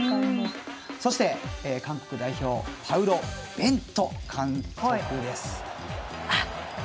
そして、韓国代表のパウロ・ベント監督です。